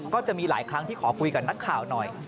ก็จะมีหลายครั้งที่ขอคุยกับนักข่าวหน่อย